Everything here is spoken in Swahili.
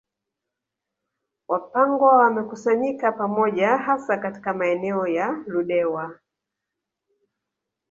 Wapangwa wamekusanyika pamoja hasa katika maeneo ya Ludewa